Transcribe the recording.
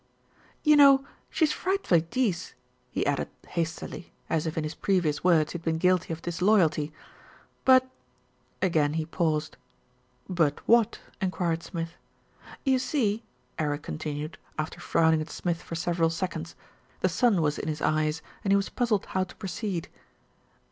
"You know she's frightfully dece," he added hastily, as if in his previous words he had been guilty of dis loyalty, "but " Again he paused. "But what?" enquired Smith. "You see," Eric continued, after frowning at Smith for several seconds, the sun was in his eyes and he was puzzled how to proceed.